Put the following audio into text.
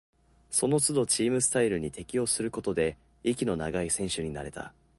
そのつどチームスタイルに適応することで、息の長い選手になれた